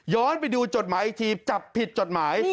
ไปดูจดหมายอีกทีจับผิดจดหมาย